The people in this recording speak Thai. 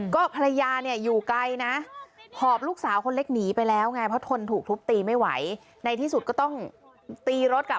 ก็ภรรยาอยู่ไกลนะหอบลูกสาวคนเล็กหนีไปแล้วไง